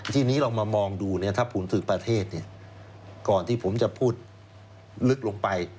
ทีนี้เรามามองดูเนี่ยถ้าผมถือประเทศเนี่ยก่อนที่ผมจะพูดลึกลงไป